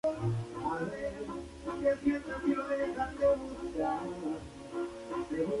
Simon Moon fue el siguiente paso hasta el reemplazo final, Tom Davies.